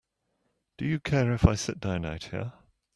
Do you care if I sit down out here?